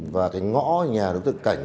và thành ngõ nhà đối tượng cảnh